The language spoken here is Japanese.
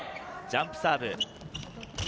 ジャンプサーブ。